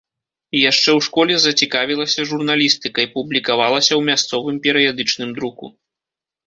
Яшчэ ў школе зацікавілася журналістыкай, публікавалася ў мясцовым перыядычным друку.